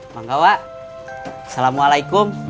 bang gawa salamualaikum